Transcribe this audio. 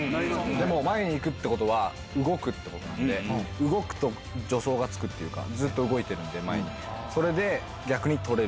でも前に行くということは、動くということなんで、動くと助走がつくっていうか、ずっと動いてるんで、前に。